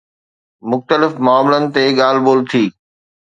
مختلف معاملن تي ڳالهه ٻولهه ٿي.